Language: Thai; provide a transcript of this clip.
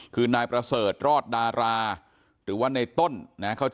คือนายประเสริฐรอดดาราหรือว่าในต้นนะ